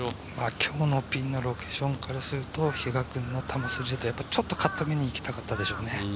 今日のピンのロケーションからすると比嘉君のパッティングはちょっとカット目にいきたかったでしょうね。